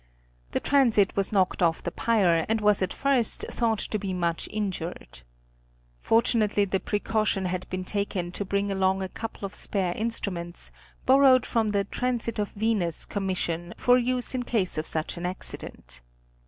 The transit was knocked off the pier, and was at first thought to be much injured. Fortunately the precaution had been taken to bring along a couple of spare instru ments, borrowed from the Transit of Venus Commission for use in case of such an accident.